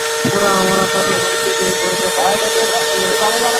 পরে আমরা তাদের হুমকি দিই, ভয় দেখাই, এবং তাদের ভিডিও রেকর্ড করি।